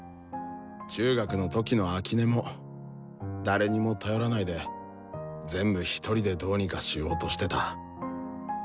中学の時の秋音も誰にも頼らないで全部ひとりでどうにかしようとしてた。